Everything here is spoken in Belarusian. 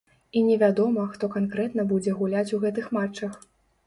І невядома, хто канкрэтна будзе гуляць у гэтых матчах.